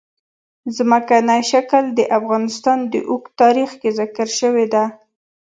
ځمکنی شکل د افغانستان په اوږده تاریخ کې ذکر شوې ده.